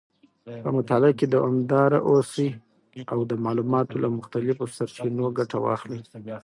په مطالعه کې دوامداره اوسئ او د معلوماتو له مختلفو سرچینو ګټه واخلئ.